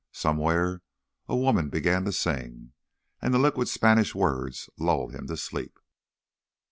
Somewhere a woman began to sing, and the liquid Spanish words lulled him asleep.